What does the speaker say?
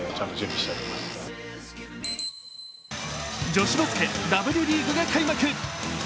女子バスケＷリーグが開幕。